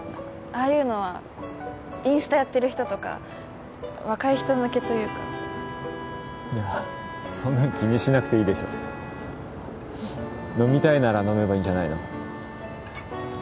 ああいうのはインスタやってる人とか若い人向けというかいやそんなん気にしなくていいでしょ飲みたいなら飲めばいいんじゃないの？